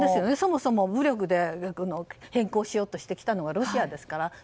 そもそも武力で変更しようとしてきたのはロシアですから。